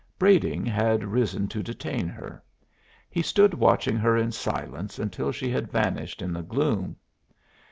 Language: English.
Brading had risen to detain her; he stood watching her in silence until she had vanished in the gloom.